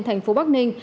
thành phố bắc ninh